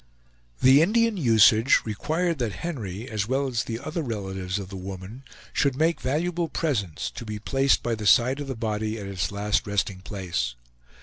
The Indian usage required that Henry, as well as the other relatives of the woman, should make valuable presents, to be placed by the side of the body at its last resting place.